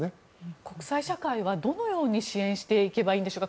国際社会はどのように支援していけばいいんでしょうか。